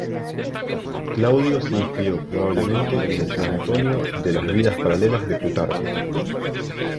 Claudio se inspiró probablemente en el "Antonio" de las "Vidas paralelas" de Plutarco.